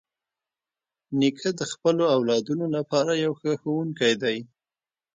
نیکه د خپلو اولادونو لپاره یو ښه ښوونکی دی.